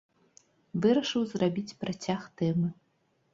Вырашыў зрабіць працяг тэмы.